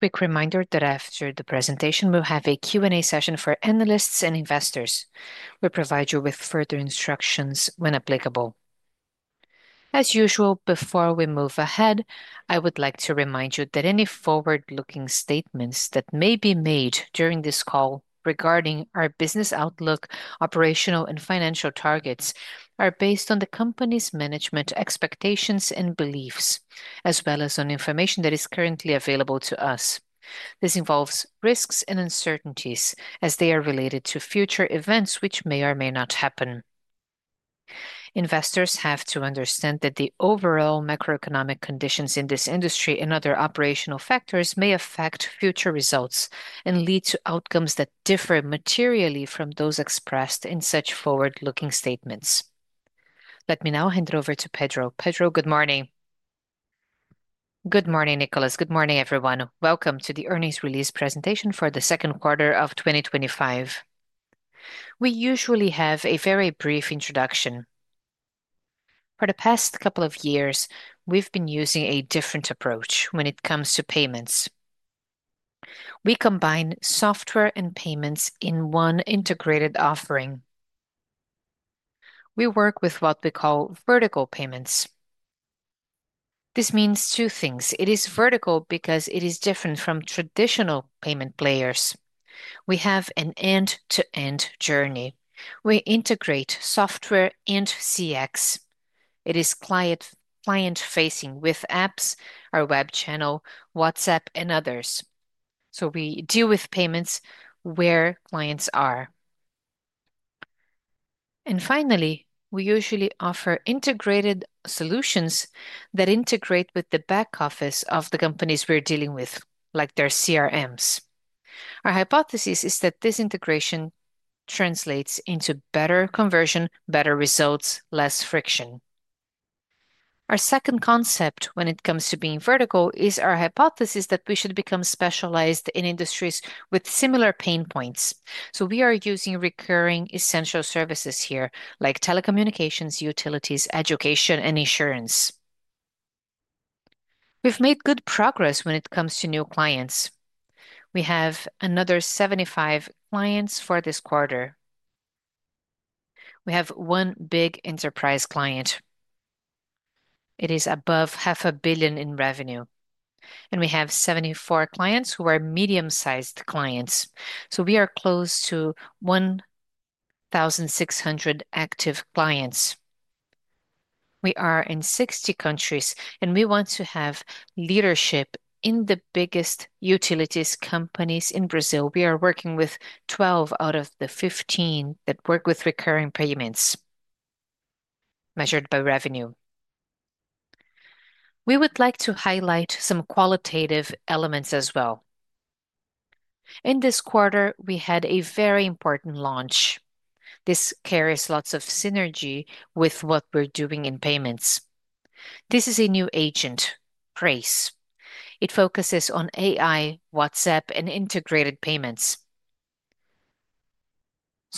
Quick reminder that after the presentation, we'll have a Q&A session for analysts and investors. We'll provide you with further instructions when applicable. As usual, before we move ahead, I would like to remind you that any forward-looking statements that may be made during this call regarding our business outlook, operational, and financial targets are based on the company's management expectations and beliefs, as well as on information that is currently available to us. This involves risks and uncertainties as they are related to future events which may or may not happen. Investors have to understand that the overall macroeconomic conditions in this industry and other operational factors may affect future results and lead to outcomes that differ materially from those expressed in such forward-looking statements. Let me now hand it over to Pedro. Pedro, good morning. Good morning, Nicholas. Good morning, everyone. Welcome to the Earnings Release Presentation for the Second Quarter of 2025. We usually have a very brief introduction. For the past couple of years, we've been using a different approach when it comes to payments. We combine software and payments in one integrated offering. We work with what we call vertical payments. This means two things. It is vertical because it is different from traditional payment players. We have an end-to-end journey. We integrate software and CX. It is client-facing with apps, our web channel, WhatsApp, and others. We deal with payments where clients are. Finally, we usually offer integrated solutions that integrate with the back office of the companies we're dealing with, like their CRMs. Our hypothesis is that this integration translates into better conversion, better results, less friction. Our second concept when it comes to being vertical is our hypothesis that we should become specialized in industries with similar pain points. We are using recurring essential services here, like telecommunications, utilities, education, and insurance. We've made good progress when it comes to new clients. We have another 75 clients for this quarter. We have one big enterprise client. It is above half a billion in revenue. We have 74 clients who are medium-sized clients. We are close to 1,600 active clients. We are in 60 countries, and we want to have leadership in the biggest utilities companies in Brazil. We are working with 12 out of the 15 that work with recurring payments, measured by revenue. We would like to highlight some qualitative elements as well. In this quarter, we had a very important launch. This carries lots of synergy with what we're doing in payments. This is a new agent, PRACE. It focuses on AI, WhatsApp, and integrated payments.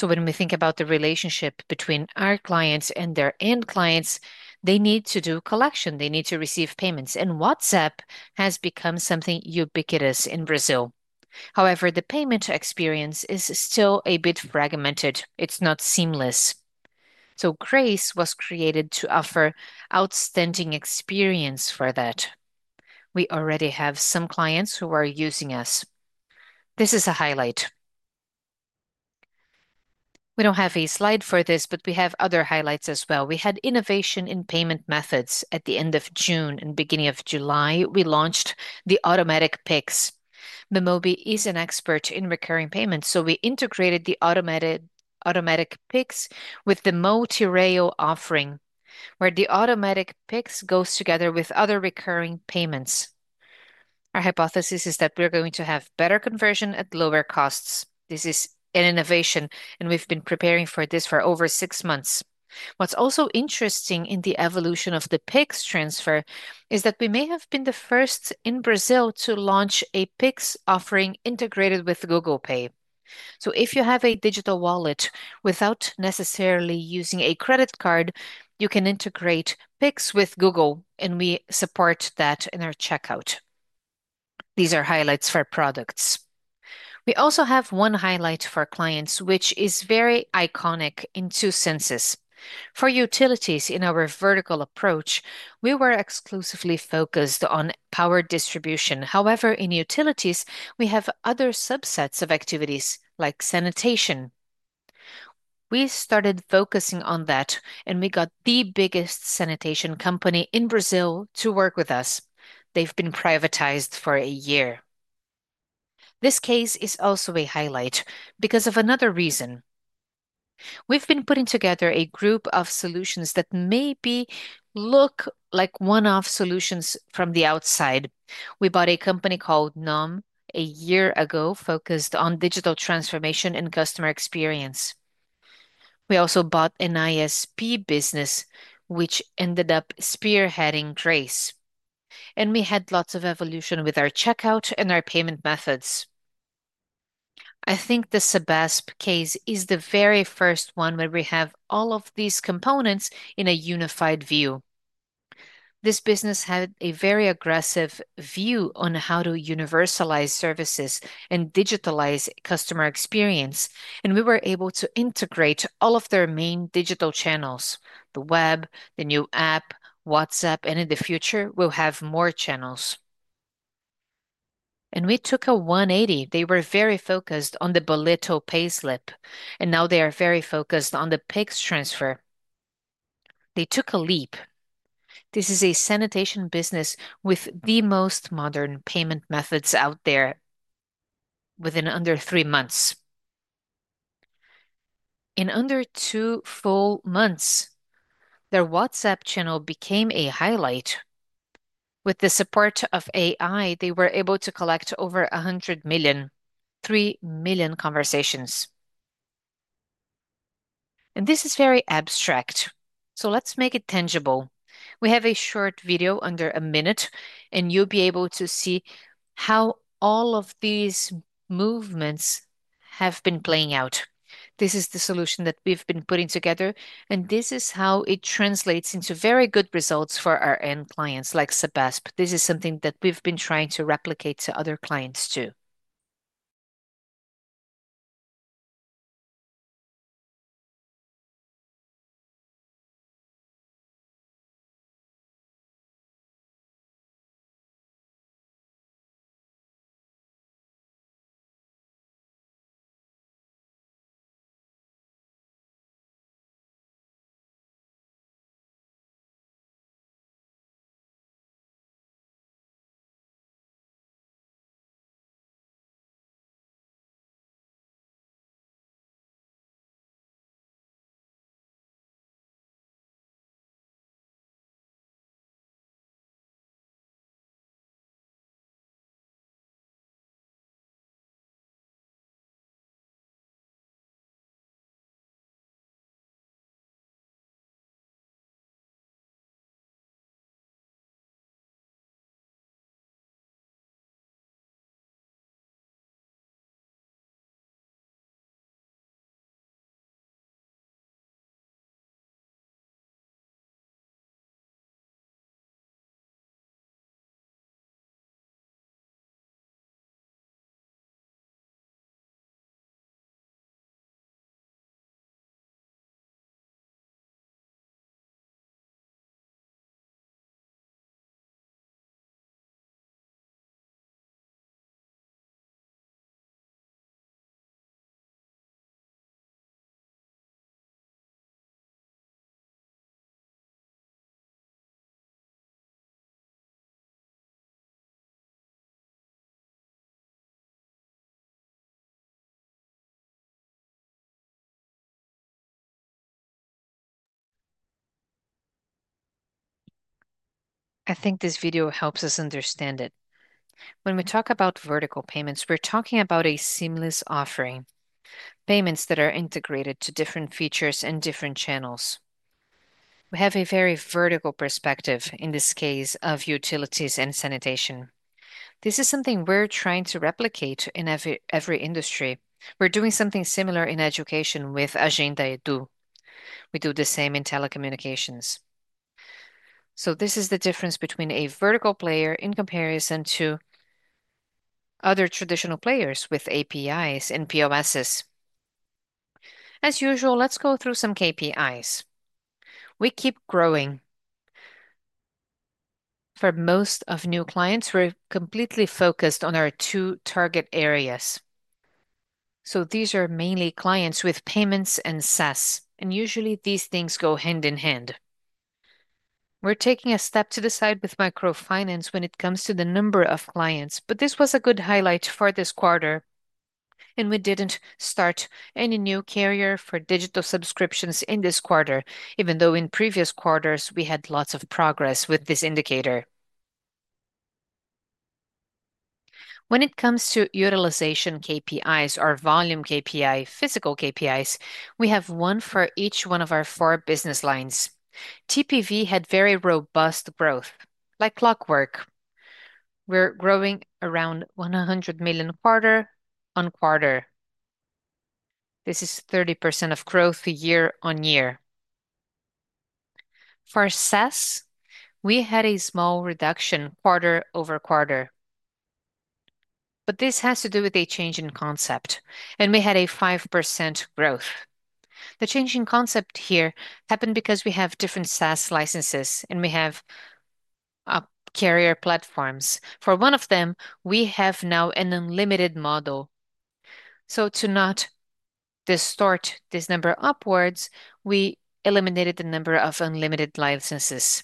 When we think about the relationship between our clients and their end clients, they need to do collection. They need to receive payments. WhatsApp has become something ubiquitous in Brazil. However, the payment experience is still a bit fragmented. It's not seamless. PRACE was created to offer outstanding experience for that. We already have some clients who are using us. This is a highlight. We don't have a slide for this, but we have other highlights as well. We had innovation in payment methods at the end of June and beginning of July. We launched the automatic PIX. Bemobi is an expert in recurring payments, so we integrated the automatic PIX with the MOTIREO offering, where the automatic PIX goes together with other recurring payments. Our hypothesis is that we're going to have better conversion at lower costs. This is an innovation, and we've been preparing for this for over six months. What's also interesting in the evolution of the Pix transfer is that we may have been the first in Brazil to launch a Pix offering integrated with Google Pay. If you have a digital wallet without necessarily using a credit card, you can integrate Pix with Google, and we support that in our checkout. These are highlights for products. We also have one highlight for clients, which is very iconic in two senses. For utilities, in our vertical approach, we were exclusively focused on power distribution. However, in utilities, we have other subsets of activities, like sanitation. We started focusing on that, and we got the biggest sanitation company in Brazil to work with us. They've been privatized for a year. This case is also a highlight because of another reason. We've been putting together a group of solutions that maybe look like one-off solutions from the outside. We bought a company called NOM a year ago, focused on digital transformation and customer experience. We also bought an ISP business, which ended up spearheading PRACE. We had lots of evolution with our checkout and our payment methods. I think the SABESP case is the very first one where we have all of these components in a unified view. This business had a very aggressive view on how to universalize services and digitalize customer experience. We were able to integrate all of their main digital channels: the web, the new app, WhatsApp, and in the future, we'll have more channels. We took a 180. They were very focused on the boleto pay slip, and now they are very focused on the PIX transfer. They took a leap. This is a sanitation business with the most modern payment methods out there within under three months. In under two full months, their WhatsApp channel became a highlight. With the support of AI, they were able to collect over $100 million, 3 million conversations. This is very abstract, so let's make it tangible. We have a short video under a minute, and you'll be able to see how all of these movements have been playing out. This is the solution that we've been putting together, and this is how it translates into very good results for our end clients like SABESP. This is something that we've been trying to replicate to other clients too. I think this video helps us understand it. When we talk about vertical payments, we're talking about a seamless offering, payments that are integrated to different features and different channels. We have a very vertical perspective in this case of utilities and sanitation. This is something we're trying to replicate in every industry. We're doing something similar in education with Agenda Edu. We do the same in telecommunications. This is the difference between a vertical player in comparison to other traditional players with APIs and POSs. As usual, let's go through some KPIs. We keep growing. For most of new clients, we're completely focused on our two target areas. These are mainly clients with payments and SaaS, and usually, these things go hand in hand. We're taking a step to the side with microfinance when it comes to the number of clients, but this was a good highlight for this quarter. We didn't start any new carrier for digital subscriptions in this quarter, even though in previous quarters, we had lots of progress with this indicator. When it comes to utilization KPIs or volume KPI, physical KPIs, we have one for each one of our four business lines. TPV had very robust growth, like clockwork. We're growing around $100 million quarter on quarter. This is 30% of growth year on year. For SaaS, we had a small reduction quarter over quarter, but this has to do with a change in concept. We had a 5% growth. The change in concept here happened because we have different SaaS licenses, and we have carrier platforms. For one of them, we have now an unlimited model. To not distort this number upwards, we eliminated the number of unlimited licenses.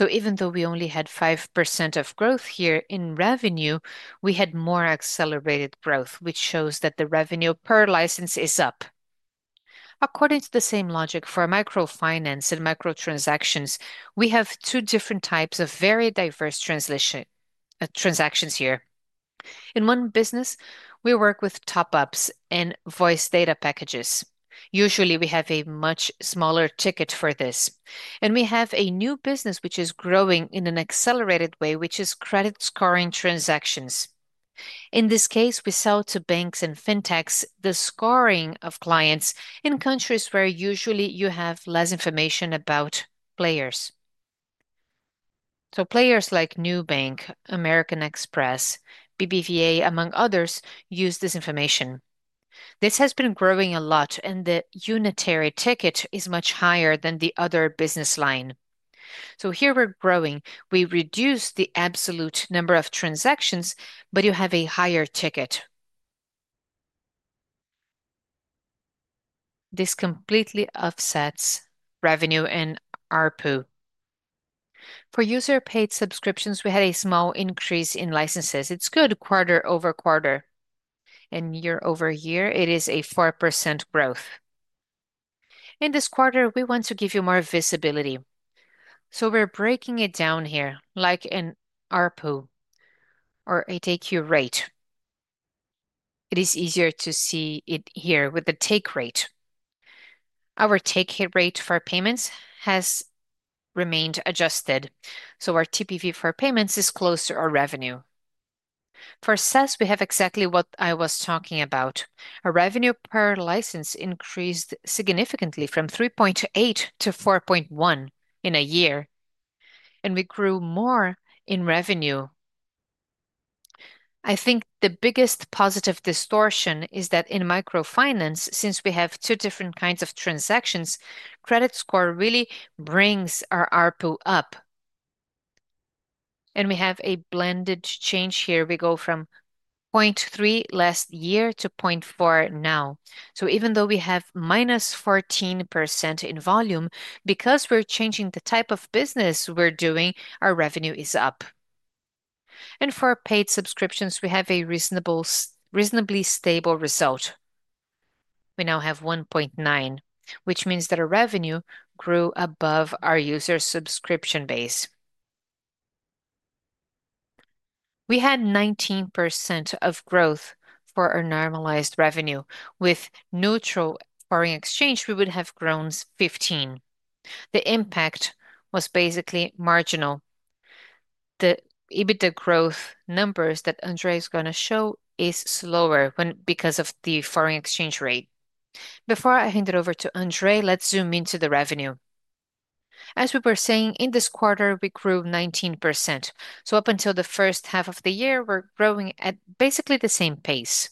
Even though we only had 5% of growth here in revenue, we had more accelerated growth, which shows that the revenue per license is up. According to the same logic for microfinance and microtransactions, we have two different types of very diverse transactions here. In one business, we work with top-ups and voice data packages. Usually, we have a much smaller ticket for this. We have a new business which is growing in an accelerated way, which is credit scoring transactions. In this case, we sell to banks and fintechs the scoring of clients in countries where usually you have less information about players. Players like Nubank, American Express, BBVA, among others, use this information. This has been growing a lot, and the unitary ticket is much higher than the other business line. Here we're growing. We reduce the absolute number of transactions, but you have a higher ticket. This completely offsets revenue and ARPU. For user paid subscriptions, we had a small increase in licenses. It's good quarter over quarter. Year over year, it is a 4% growth. In this quarter, we want to give you more visibility. We're breaking it down here, like an ARPU or a take-hit rate. It is easier to see it here with the take-hit rate. Our take-hit rate for payments has remained adjusted. Our TPV for payments is close to our revenue. For SaaS, we have exactly what I was talking about. Our revenue per license increased significantly from 3.8 to 4.1 in a year. We grew more in revenue. I think the biggest positive distortion is that in microfinance, since we have two different kinds of transactions, credit score really brings our ARPU up. We have a blended change here. We go from 0.3 last year to 0.4 now. Even though we have -14% in volume, because we're changing the type of business we're doing, our revenue is up. For paid subscriptions, we have a reasonably stable result. We now have 1.9, which means that our revenue grew above our user subscription base. We had 19% of growth for our normalized revenue. With neutral foreign exchange, we would have grown 15%. The impact was basically marginal. The EBITDA growth numbers that Andre is going to show are slower because of the foreign exchange rate. Before I hand it over to Andre, let's zoom into the revenue. As we were saying, in this quarter, we grew 19%. Up until the first half of the year, we're growing at basically the same pace.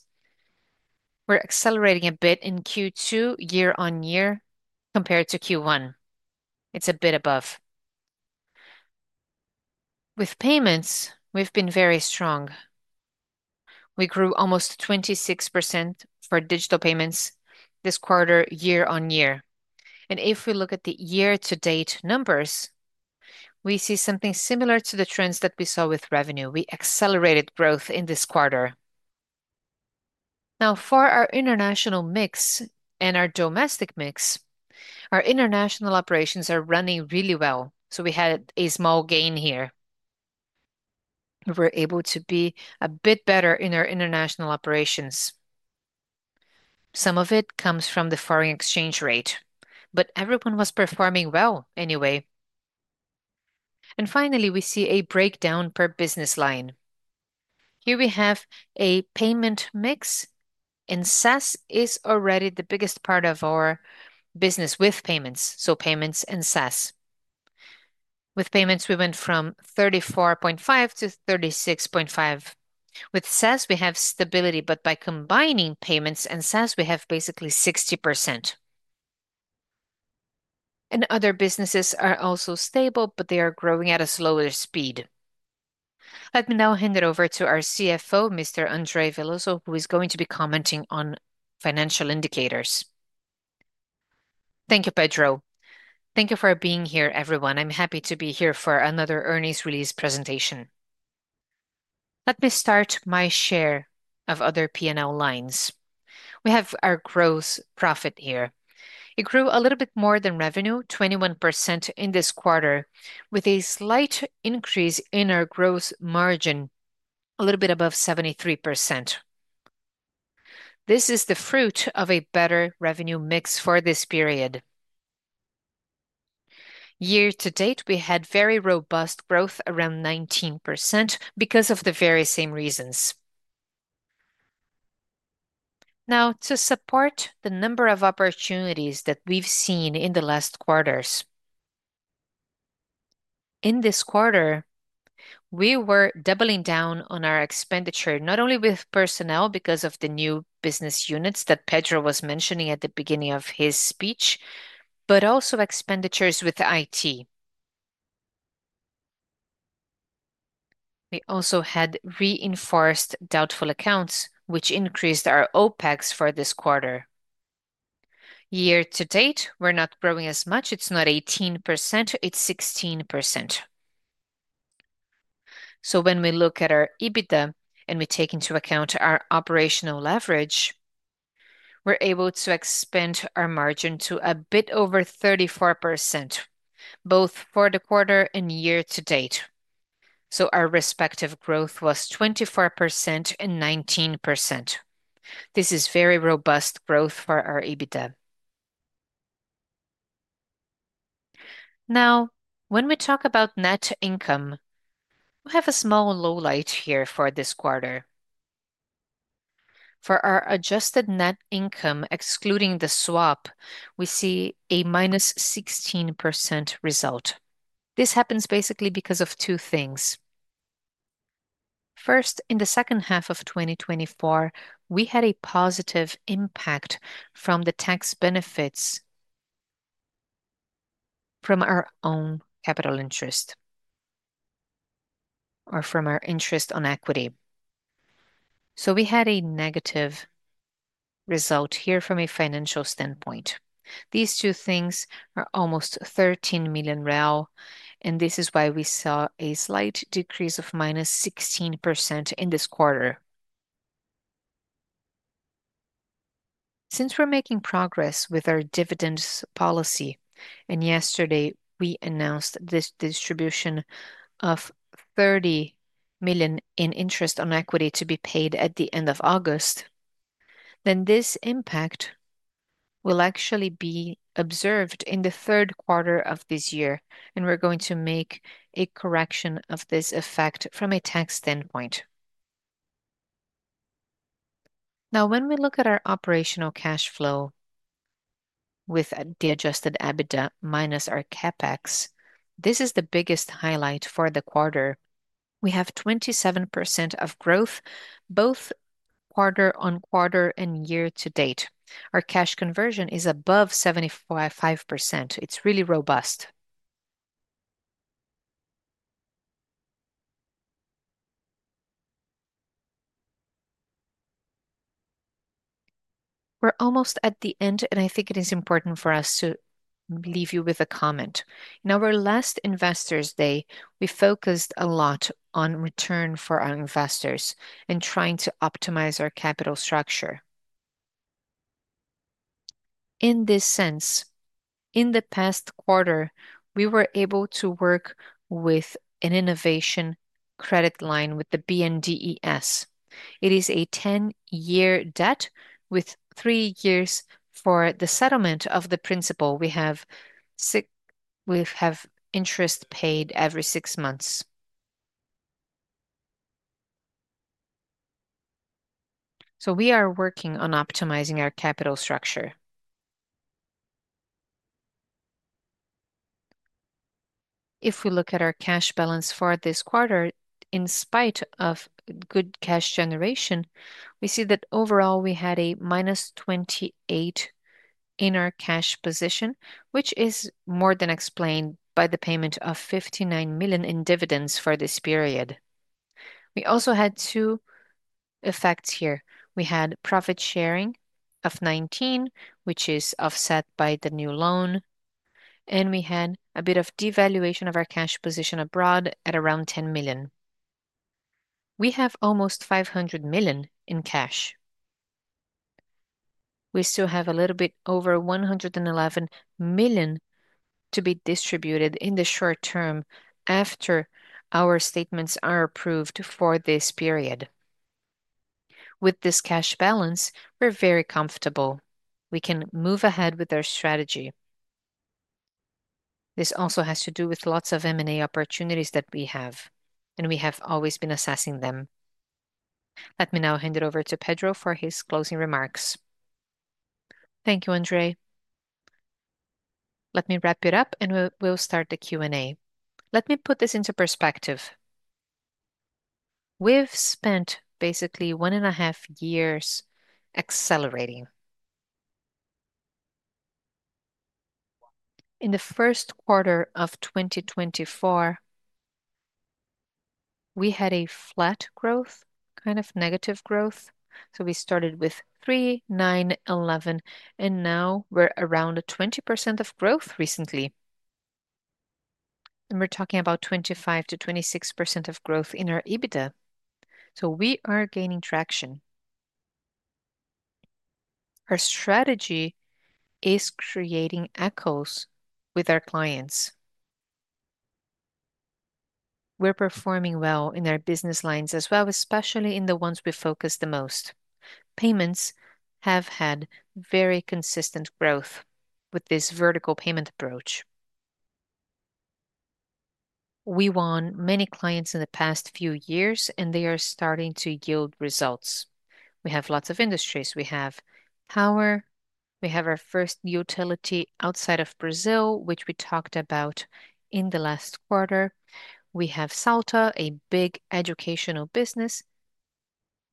We're accelerating a bit in Q2 year on year compared to Q1. It's a bit above. With payments, we've been very strong. We grew almost 26% for digital payments this quarter year on year. If we look at the year-to-date numbers, we see something similar to the trends that we saw with revenue. We accelerated growth in this quarter. Now, for our international mix and our domestic mix, our international operations are running really well. We had a small gain here. We're able to be a bit better in our international operations. Some of it comes from the foreign exchange rate, but everyone was performing well anyway. Finally, we see a breakdown per business line. Here we have a payment mix, and SaaS is already the biggest part of our business with payments. Payments and SaaS. With payments, we went from 34.5% to 36.5%. With SaaS, we have stability, but by combining payments and SaaS, we have basically 60%. Other businesses are also stable, but they are growing at a slower speed. Let me now hand it over to our CFO, Mr. Andre Veloso, who is going to be commenting on financial indicators. Thank you, Pedro. Thank you for being here, everyone. I'm happy to be here for another earnings release presentation. Let me start my share of other P&L lines. We have our gross profit here. It grew a little bit more than revenue, 21% in this quarter, with a slight increase in our gross margin, a little bit above 73%. This is the fruit of a better revenue mix for this period. Year to date, we had very robust growth around 19% because of the very same reasons. To support the number of opportunities that we've seen in the last quarters, in this quarter, we were doubling down on our expenditure, not only with personnel because of the new business units that Pedro was mentioning at the beginning of his speech, but also expenditures with IT. We also had reinforced doubtful accounts, which increased our OPEX for this quarter. Year to date, we're not growing as much. It's not 18%. It's 16%. When we look at our EBITDA and we take into account our operational leverage, we're able to expand our margin to a bit over 34%, both for the quarter and year to date. Our respective growth was 24% and 19%. This is very robust growth for our EBITDA. Now, when we talk about net income, we have a small low light here for this quarter. For our adjusted net income, excluding the swap, we see a -16% result. This happens basically because of two things. First, in the second half of 2024, we had a positive impact from the tax benefits from our own capital interest or from our interest on equity. We had a negative result here from a financial standpoint. These two things are almost R$13 million, and this is why we saw a slight decrease of -16% in this quarter. Since we're making progress with our dividends policy, and yesterday we announced this distribution of R$30 million in interest on equity to be paid at the end of August, this impact will actually be observed in the third quarter of this year, and we're going to make a correction of this effect from a tax standpoint. Now, when we look at our operational cash flow with the adjusted EBITDA minus our CapEx, this is the biggest highlight for the quarter. We have 27% of growth both quarter on quarter and year to date. Our cash conversion is above 75%. It's really robust. We're almost at the end, and I think it is important for us to leave you with a comment. In our last Investors Day, we focused a lot on return for our investors and trying to optimize our capital structure. In this sense, in the past quarter, we were able to work with an innovation credit line with the BNDES. It is a 10-year debt with three years for the settlement of the principal. We have interest paid every six months. We are working on optimizing our capital structure. If we look at our cash balance for this quarter, in spite of good cash generation, we see that overall we had a -28% in our cash position, which is more than explained by the payment of R$59 million in dividends for this period. We also had two effects here. We had profit sharing of 19%, which is offset by the new loan, and we had a bit of devaluation of our cash position abroad at around R$10 million. We have almost R$500 million in cash. We still have a little bit over R$111 million to be distributed in the short term after our statements are approved for this period. With this cash balance, we're very comfortable. We can move ahead with our strategy. This also has to do with lots of M&A opportunities that we have, and we have always been assessing them. Let me now hand it over to Pedro for his closing remarks. Thank you, Andre. Let me wrap it up, and we'll start the Q&A. Let me put this into perspective. We've spent basically one and a half years accelerating. In the first quarter of 2024, we had a flat growth, kind of negative growth. We started with 3%, 9%, 11%, and now we're around 20% of growth recently. We're talking about 25%-26% of growth in our EBITDA. We are gaining traction. Our strategy is creating echoes with our clients. We're performing well in our business lines as well, especially in the ones we focus the most. Payments have had very consistent growth with this vertical payment approach. We won many clients in the past few years, and they are starting to yield results. We have lots of industries. We have power. We have our first utility outside of Brazil, which we talked about in the last quarter. We have Salta, a big educational business.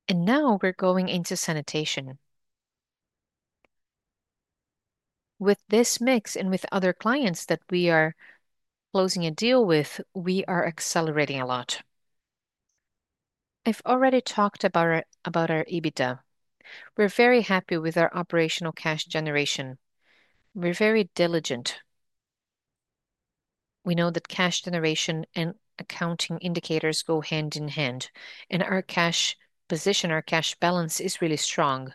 Now we're going into sanitation. With this mix and with other clients that we are closing a deal with, we are accelerating a lot. I've already talked about our EBITDA. We're very happy with our operational cash generation. We're very diligent. We know that cash generation and accounting indicators go hand in hand. Our cash position, our cash balance is really strong.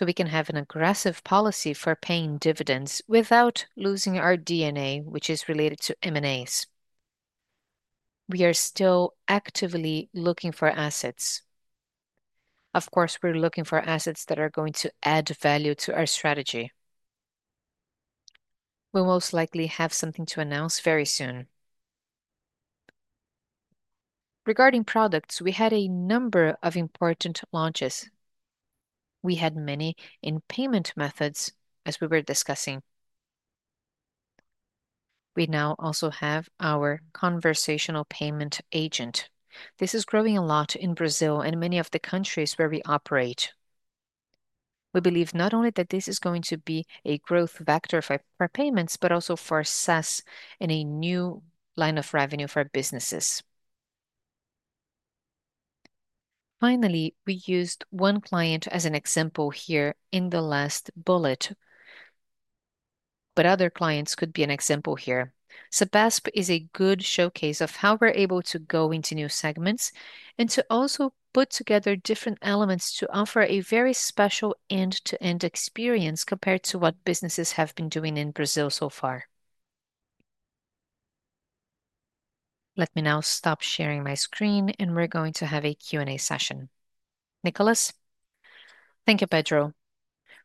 We can have an aggressive policy for paying dividends without losing our DNA, which is related to M&A activity. We are still actively looking for assets. Of course, we're looking for assets that are going to add value to our strategy. We'll most likely have something to announce very soon. Regarding products, we had a number of important launches. We had many in payment methods, as we were discussing. We now also have our conversational payment agent. This is growing a lot in Brazil and many of the countries where we operate. We believe not only that this is going to be a growth vector for payments, but also for SaaS and a new line of revenue for businesses. Finally, we used one client as an example here in the last bullet, but other clients could be an example here. SABESP is a good showcase of how we're able to go into new segments and to also put together different elements to offer a very special end-to-end experience compared to what businesses have been doing in Brazil so far. Let me now stop sharing my screen, and we're going to have a Q&A session. Nicholas? Thank you, Pedro.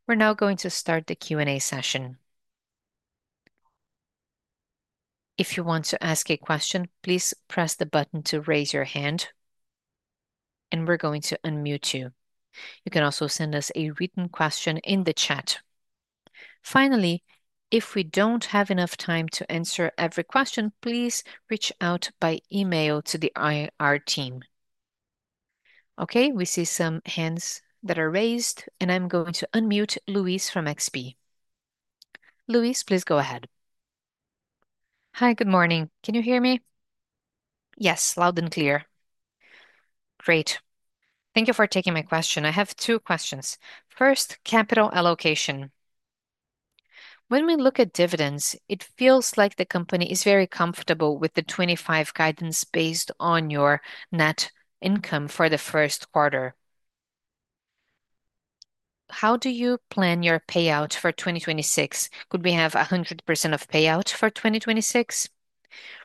We're now going to start the Q&A session. If you want to ask a question, please press the button to raise your hand, and we're going to unmute you. You can also send us a written question in the chat. Finally, if we don't have enough time to answer every question, please reach out by email to our team. Okay, we see some hands that are raised, and I'm going to unmute Luis from XP. Luis, please go ahead. Hi, good morning. Can you hear me? Yes, loud and clear. Great. Thank you for taking my question. I have two questions. First, capital allocation. When we look at dividends, it feels like the company is very comfortable with the 2025 guidance based on your net income for the first quarter. How do you plan your payout for 2026? Could we have 100% of payout for 2026?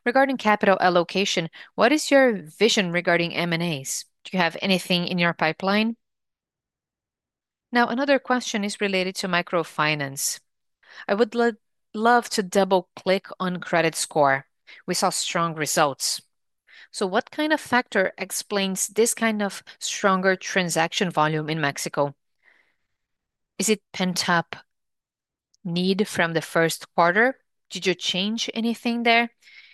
Regarding capital allocation, what is your vision regarding M&A activity? Do you have anything in your pipeline? Another question is related to microfinance. I would love to double-click on credit scoring services. We saw strong results. What kind of factor explains this kind of stronger transaction volume in Mexico? Is it pent-up need from the first quarter? Did you change anything there?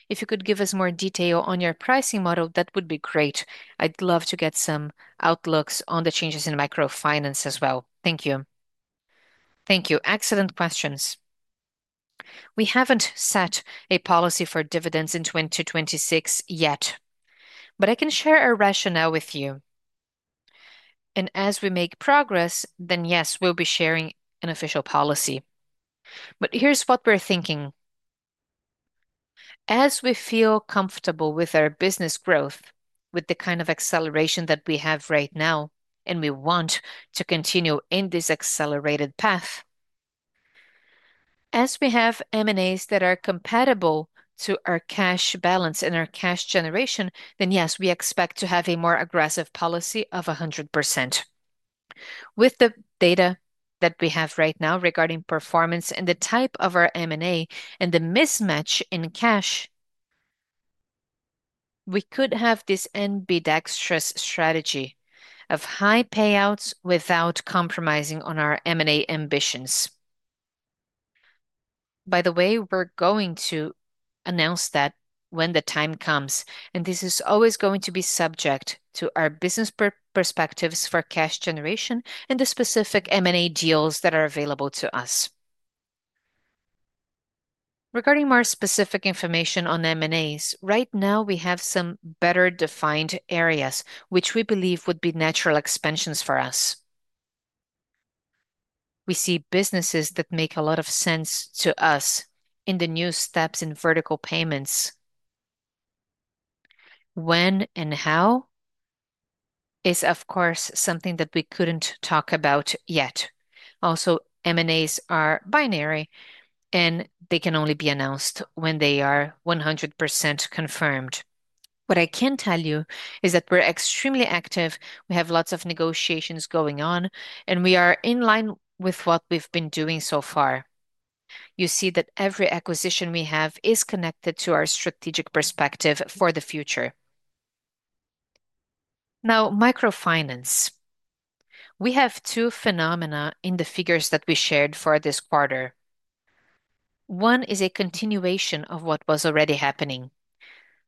If you could give us more detail on your pricing model, that would be great. I'd love to get some outlooks on the changes in microfinance as well. Thank you. Thank you. Excellent questions. We haven't set a policy for dividends in 2026 yet, but I can share a rationale with you. As we make progress, then yes, we'll be sharing an official policy. Here's what we're thinking. As we feel comfortable with our business growth, with the kind of acceleration that we have right now, and we want to continue in this accelerated path, as we have M&A activity that is compatible to our cash balance and our cash generation, then yes, we expect to have a more aggressive policy of 100%. With the data that we have right now regarding performance and the type of our M&A activity and the mismatch in cash, we could have this ambidextrous strategy of high payouts without compromising on our M&A ambitions. By the way, we're going to announce that when the time comes, and this is always going to be subject to our business perspectives for cash generation and the specific M&A deals that are available to us. Regarding more specific information on M&A activity, right now we have some better defined areas, which we believe would be natural expansions for us. We see businesses that make a lot of sense to us in the new steps in vertical payments. When and how is, of course, something that we couldn't talk about yet. Also, M&A activity is binary, and they can only be announced when they are 100% confirmed. What I can tell you is that we're extremely active. We have lots of negotiations going on, and we are in line with what we've been doing so far. You see that every acquisition we have is connected to our strategic perspective for the future. Now, microfinance. We have two phenomena in the figures that we shared for this quarter. One is a continuation of what was already happening.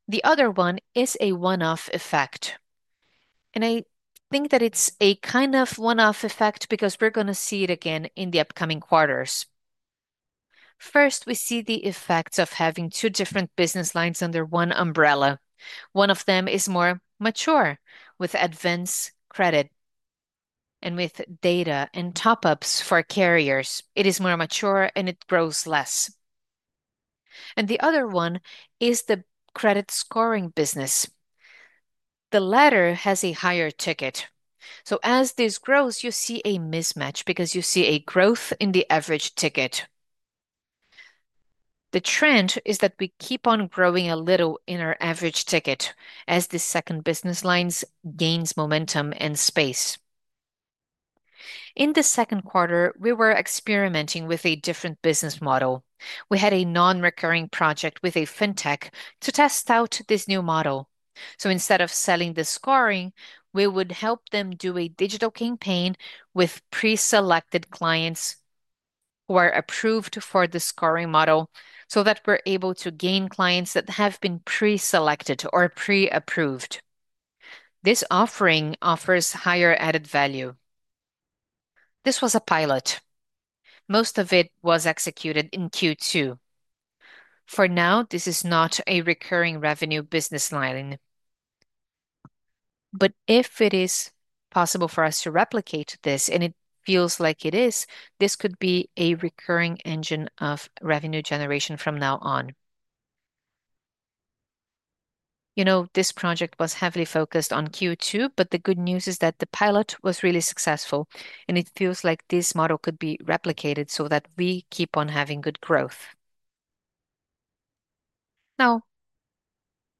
The other one is a one-off effect. I think that it's a kind of one-off effect because we're going to see it again in the upcoming quarters. First, we see the effects of having two different business lines under one umbrella. One of them is more mature with advanced credit and with data and top-ups for carriers. It is more mature, and it grows less. The other one is the credit scoring business. The latter has a higher ticket. As this grows, you see a mismatch because you see a growth in the average ticket. The trend is that we keep on growing a little in our average ticket as the second business lines gain momentum and space. In the second quarter, we were experimenting with a different business model. We had a non-recurring project with a fintech to test out this new model. Instead of selling the scoring, we would help them do a digital campaign with pre-selected clients who are approved for the scoring model so that we're able to gain clients that have been pre-selected or pre-approved. This offering offers higher added value. This was a pilot. Most of it was executed in Q2. For now, this is not a recurring revenue business line. If it is possible for us to replicate this, and it feels like it is, this could be a recurring engine of revenue generation from now on. This project was heavily focused on Q2, but the good news is that the pilot was really successful, and it feels like this model could be replicated so that we keep on having good growth. Now,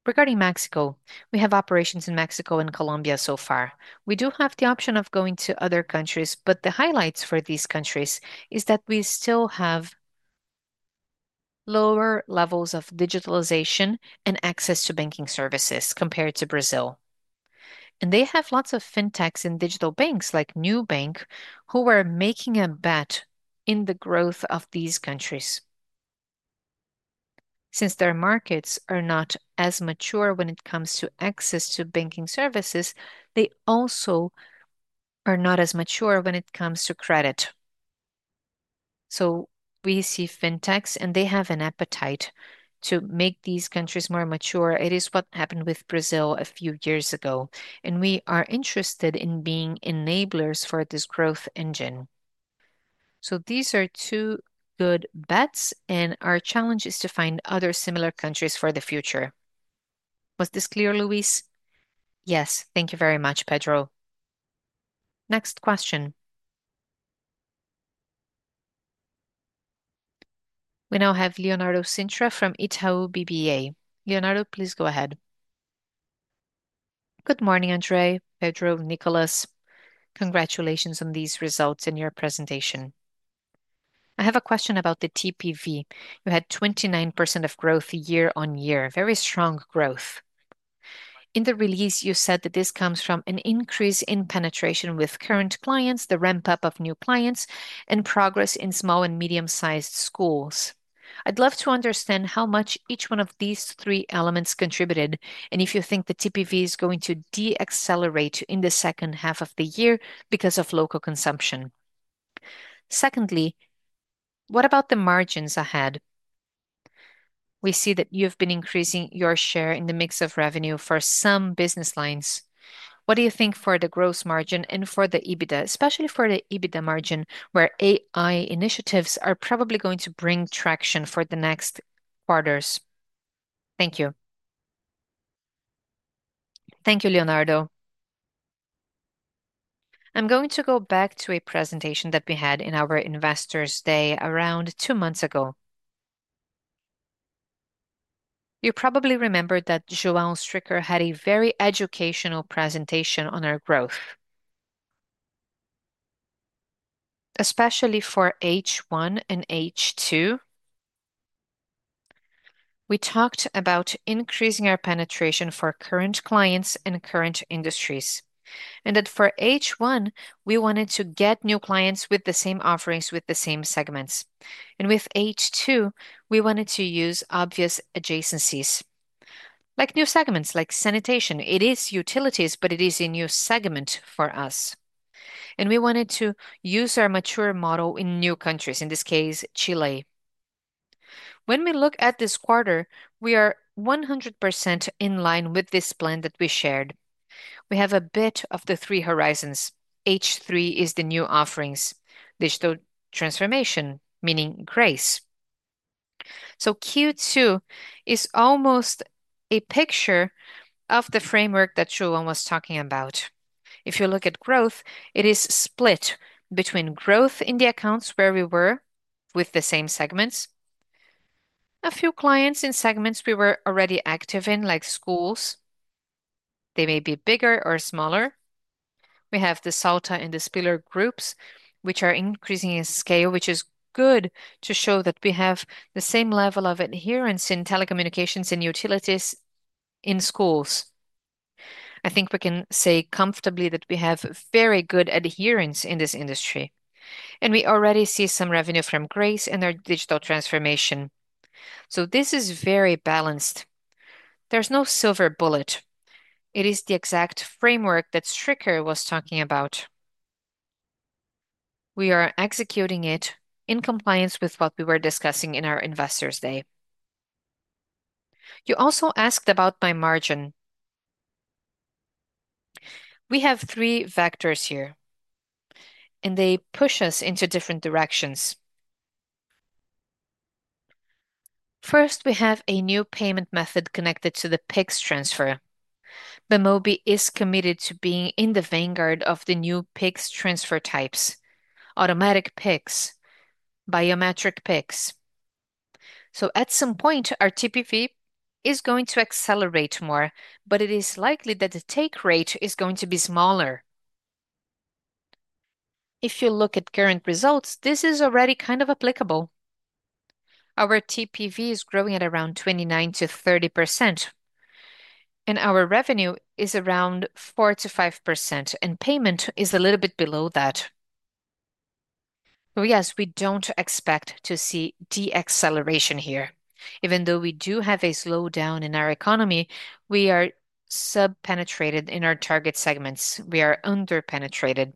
regarding Mexico, we have operations in Mexico and Colombia so far. We do have the option of going to other countries, but the highlights for these countries are that we still have lower levels of digitalization and access to banking services compared to Brazil. They have lots of fintechs and digital banks like Nubank who were making a bet in the growth of these countries. Since their markets are not as mature when it comes to access to banking services, they also are not as mature when it comes to credit. We see fintechs, and they have an appetite to make these countries more mature. It is what happened with Brazil a few years ago. We are interested in being enablers for this growth engine. These are two good bets, and our challenge is to find other similar countries for the future. Was this clear, Luis? Yes. Thank you very much, Pedro. Next question. We now have Leonardo Cintra from Itaú BBA. Leonardo, please go ahead. Good morning, Andre, Pedro, Nicholas. Congratulations on these results in your presentation. I have a question about the TPV. You had 29% of growth year on year, very strong growth. In the release, you said that this comes from an increase in penetration with current clients, the ramp-up of new clients, and progress in small and medium-sized schools. I'd love to understand how much each one of these three elements contributed, and if you think the TPV is going to decelerate in the second half of the year because of local consumption. Secondly, what about the margins ahead? We see that you have been increasing your share in the mix of revenue for some business lines. What do you think for the gross margin and for the EBITDA, especially for the EBITDA margin, where AI initiatives are probably going to bring traction for the next quarters? Thank you. Thank you, Leonardo. I'm going to go back to a presentation that we had in our Investors Day around two months ago. You probably remember that João Stricker had a very educational presentation on our growth, especially for H1 and H2. We talked about increasing our penetration for current clients and current industries, and that for H1, we wanted to get new clients with the same offerings, with the same segments. With H2, we wanted to use obvious adjacencies, like new segments, like sanitation. It is utilities, but it is a new segment for us. We wanted to use our mature model in new countries, in this case, Chile. When we look at this quarter, we are 100% in line with this plan that we shared. We have a bit of the three horizons. H3 is the new offerings, digital transformation, meaning GRACE. Q2 is almost a picture of the framework that João was talking about. If you look at growth, it is split between growth in the accounts where we were with the same segments, a few clients in segments we were already active in, like schools. They may be bigger or smaller. We have the Salta and the Spiller groups, which are increasing in scale, which is good to show that we have the same level of adherence in telecommunications and utilities in schools. I think we can say comfortably that we have very good adherence in this industry. We already see some revenue from PRACE and our digital transformation. This is very balanced. There is no silver bullet. It is the exact framework that Stricker was talking about. We are executing it in compliance with what we were discussing in our Investors Day. You also asked about my margin. We have three vectors here, and they push us into different directions. First, we have a new payment method connected to the PIX transfer. Bemobi is committed to being in the vanguard of the new PIX transfer types: automatic PIX, biometric PIX. At some point, our TPV is going to accelerate more, but it is likely that the take rate is going to be smaller. If you look at current results, this is already kind of applicable. Our TPV is growing at around 29%-30%, and our revenue is around 4%-5%, and payment is a little bit below that. We do not expect to see deacceleration here. Even though we do have a slowdown in our economy, we are sub-penetrated in our target segments. We are under-penetrated.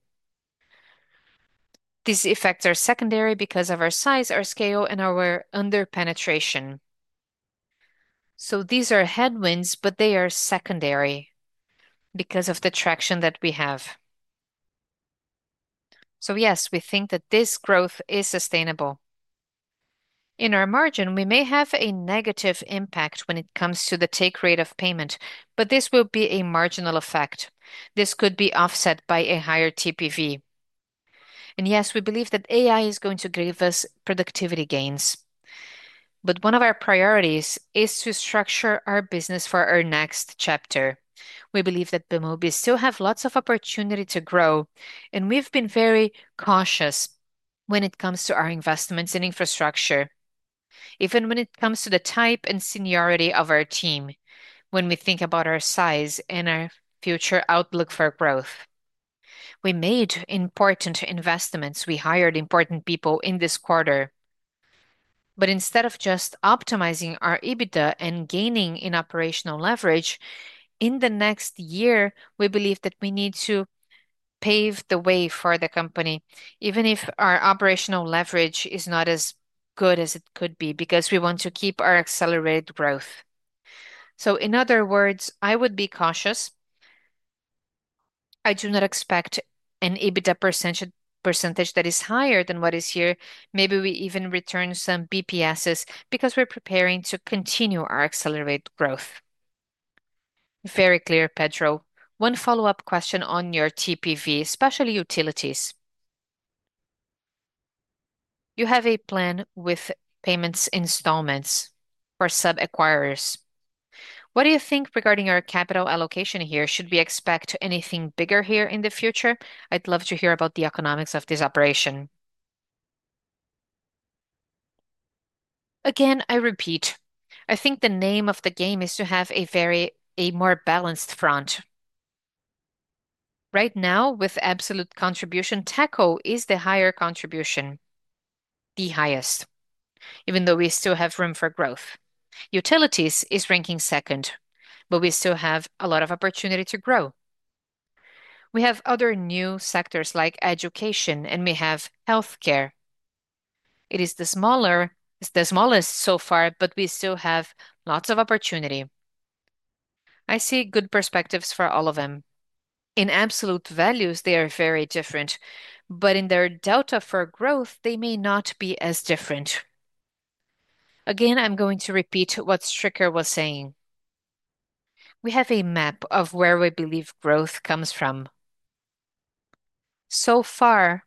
These effects are secondary because of our size, our scale, and our under-penetration. These are headwinds, but they are secondary because of the traction that we have. We think that this growth is sustainable. In our margin, we may have a negative impact when it comes to the take rate of payment, but this will be a marginal effect. This could be offset by a higher TPV. We believe that AI is going to give us productivity gains. One of our priorities is to structure our business for our next chapter. We believe that Bemobi still has lots of opportunity to grow, and we've been very cautious when it comes to our investments in infrastructure, even when it comes to the type and seniority of our team, when we think about our size and our future outlook for growth. We made important investments. We hired important people in this quarter. Instead of just optimizing our EBITDA and gaining in operational leverage, in the next year, we believe that we need to pave the way for the company, even if our operational leverage is not as good as it could be because we want to keep our accelerated growth. In other words, I would be cautious. I do not expect an EBITDA percentage that is higher than what is here. Maybe we even return some bps because we're preparing to continue our accelerated growth. Very clear, Pedro. One follow-up question on your TPV, especially utilities. You have a plan with payments installments for sub-acquirers. What do you think regarding our capital allocation here? Should we expect anything bigger here in the future? I'd love to hear about the economics of this operation. Again, I repeat, I think the name of the game is to have a very more balanced front. Right now, with absolute contribution, telco is the higher contribution, the highest, even though we still have room for growth. Utilities is ranking second, but we still have a lot of opportunity to grow. We have other new sectors like education, and we have healthcare. It is the smallest so far, but we still have lots of opportunity. I see good perspectives for all of them. In absolute values, they are very different, but in their delta for growth, they may not be as different. Again, I'm going to repeat what Stricker was saying. We have a map of where we believe growth comes from. So far,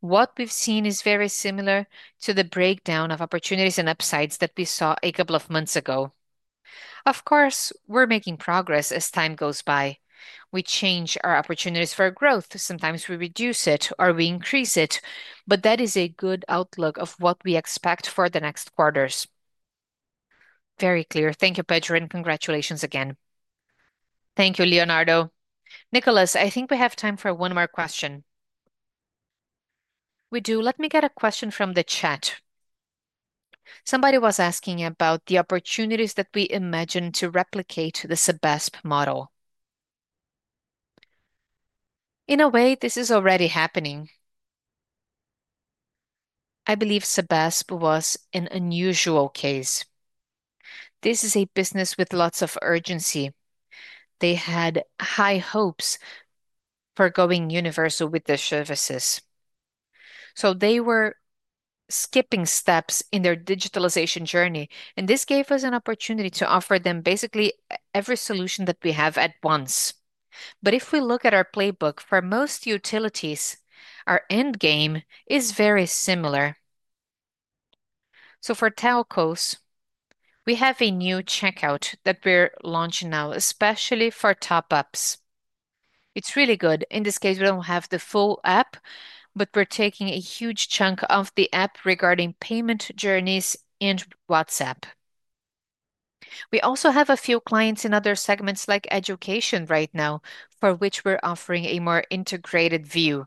what we've seen is very similar to the breakdown of opportunities and upsides that we saw a couple of months ago. Of course, we're making progress as time goes by. We change our opportunities for growth. Sometimes we reduce it or we increase it, but that is a good outlook of what we expect for the next quarters. Very clear. Thank you, Pedro, and congratulations again. Thank you, Leonardo. Nicholas, I think we have time for one more question. We do. Let me get a question from the chat. Somebody was asking about the opportunities that we imagine to replicate the SABESP model. In a way, this is already happening. I believe SABESP was an unusual case. This is a business with lots of urgency. They had high hopes for going universal with their services. They were skipping steps in their digitalization journey, and this gave us an opportunity to offer them basically every solution that we have at once. If we look at our playbook, for most utilities, our end game is very similar. For telcos, we have a new checkout that we're launching now, especially for top-ups. It's really good. In this case, we don't have the full app, but we're taking a huge chunk of the app regarding payment journeys and WhatsApp. We also have a few clients in other segments like education right now, for which we're offering a more integrated view.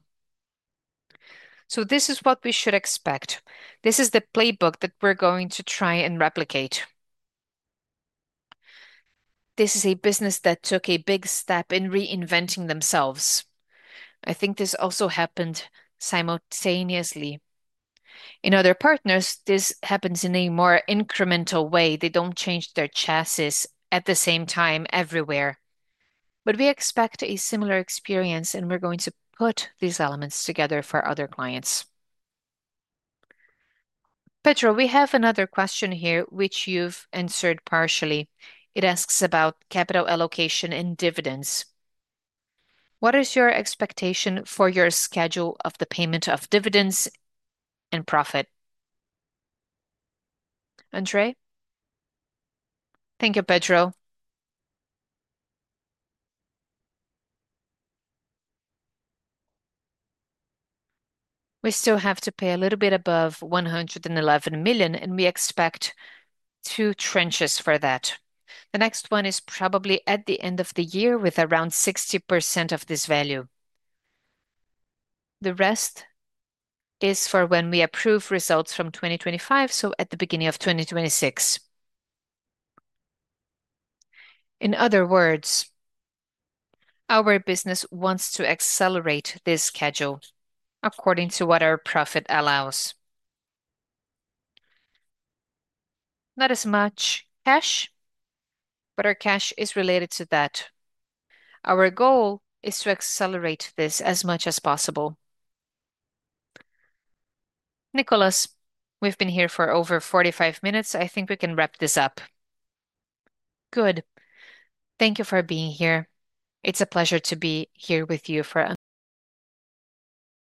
This is what we should expect. This is the playbook that we're going to try and replicate. This is a business that took a big step in reinventing themselves. I think this also happened simultaneously. In other partners, this happens in a more incremental way. They don't change their chassis at the same time everywhere. We expect a similar experience, and we're going to put these elements together for other clients. Pedro, we have another question here, which you've answered partially. It asks about capital allocation and dividends. What is your expectation for your schedule of the payment of dividends and profit? Andre? Thank you, Pedro. We still have to pay a little bit above R$111 million, and we expect two tranches for that. The next one is probably at the end of the year with around 60% of this value. The rest is for when we approve results from 2025, so at the beginning of 2026. In other words, our business wants to accelerate this schedule according to what our profit allows. Not as much cash, but our cash is related to that. Our goal is to accelerate this as much as possible. Nicholas, we've been here for over 45 minutes. I think we can wrap this up. Good. Thank you for being here. It's a pleasure to be here with you for.